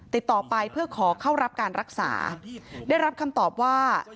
ติดต่อไปเพื่อขอเข้ารับการรักษาได้รับคำตอบว่า